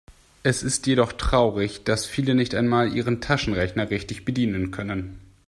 Es ist jedoch traurig, dass viele nicht einmal ihren Taschenrechner richtig bedienen können.